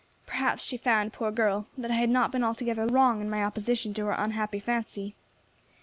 Perhaps she found, poor girl, that I had not been altogether wrong in my opposition to her unhappy fancy."